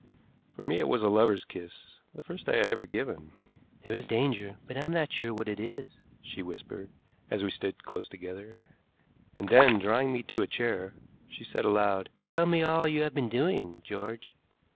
For me it was a lover's kiss, the first I had ever given. "There is danger, but I am not sure what it is," she whispered, as we stood close together. And then, drawing me to a chair, she said aloud: "Tell me all you have been doing, George."